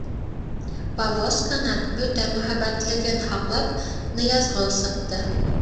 Повозканан, бөтә мөһабәтлеген һаҡлап, Ныязғол сыҡты.